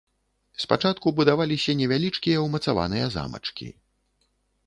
Спачатку будаваліся невялічкія ўмацаваныя замачкі.